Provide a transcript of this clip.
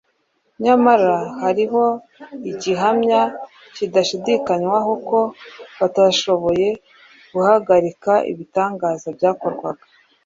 nyamara hariho igihamya kidashidikanywaho ko batashoboye guhagarika ibitangaza byakorwaga